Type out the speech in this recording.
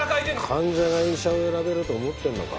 患者が医者を選べると思ってるのか？